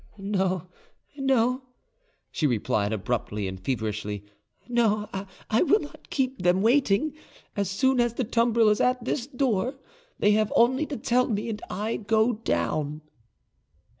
"No, no," she replied abruptly and feverishly, "no, I will not keep them waiting. As soon as the tumbril is at this door, they have only to tell me, and I go down."